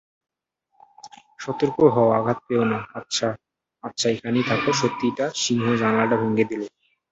সতর্ক হও আঘাত পেয়ো না আচ্ছা আচ্ছা এখানেই থাকো সত্যিই সিংহ জানালাটা ভেঙ্গে দিল।